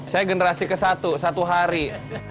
saya generasi ke satu satu hari